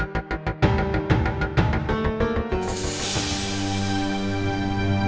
jalan jalan men